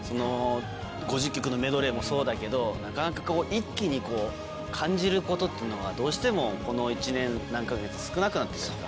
５０曲のメドレーもそうだけど、なかなか一気に感じることっていうのは、どうしても、この１年何か月、少なくなってしまった。